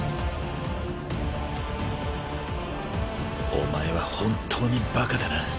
お前は本当にバカだな。